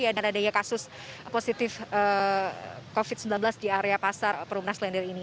dengan adanya kasus positif covid sembilan belas di area pasar perumnas lender ini